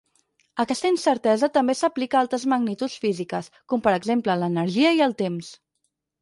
Aquesta incertesa també s'aplica a altres magnituds físiques, com per exemple l'energia i el temps.